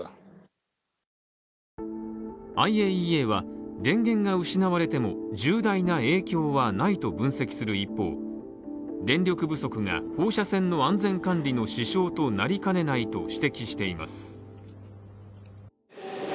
ＩＡＥＡは電源が失われても重大な影響はないと分析する一方電力不足が放射線の安全管理の支障となりかねないと指摘しています。